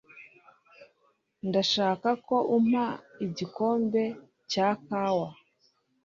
Ndashaka ko umpa igikombe cya kawa.